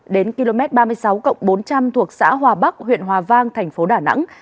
đến km ba mươi sáu bốn trăm linh thuộc xã hòa bắc huyện hòa vang thành phố đà nẵng